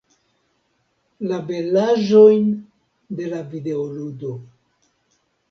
La belaĵojn de la videoludo.